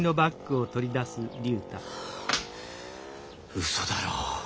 うそだろ。